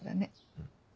うん。